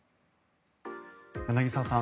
柳澤さん